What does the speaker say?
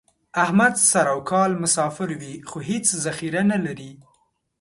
احمد سر او کال مسافر وي، خو هېڅ ذخیره نه لري.